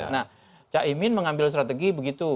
nah cak imin mengambil strategi begitu